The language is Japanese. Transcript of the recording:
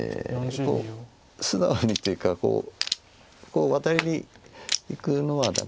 素直にというかこうワタりにいくのはダメ。